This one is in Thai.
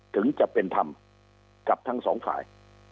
ถึงจะเป็นธรรมกับทั้งสองฝ่าย